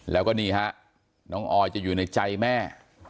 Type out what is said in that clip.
แล้วก็นี่ฮะน้องออยจะอยู่ในใจแม่